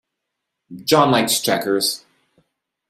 John likes checkers.